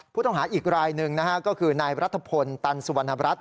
ผู้ต้องหาอีกรายหนึ่งนะฮะก็คือนายรัฐพลตันสุวรรณรัฐ